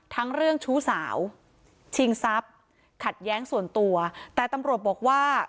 ทั้งเรื่องชู้สาวชิงทรัพย์ขัดแย้งส่วนตัวแต่ตำรวจบอกว่า